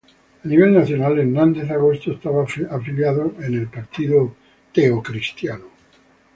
A nivel nacional, Hernández Agosto estaba afiliado con el Partido Demócrata.